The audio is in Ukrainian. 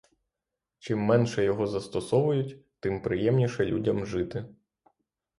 Чим менше його застосовують, тим приємніше людям жити.